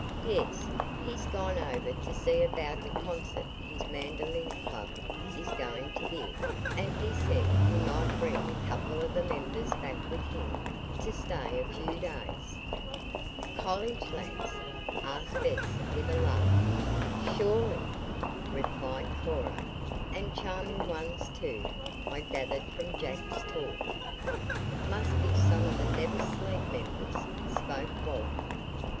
"Yes; he's gone over to see about a concert his mandolin club is going to give, and he said he might bring a couple of the members back with him to stay a few days." "College lads?" asked Bess with a laugh. "Surely," replied Cora; "and charming ones, too, I gathered from Jack's talk." "Must be some of the Never Sleep members," spoke Walter.